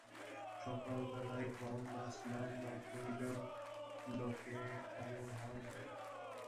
সকালবেলায় গঙ্গাস্নান না করিলেও লোকে অমর হয় না।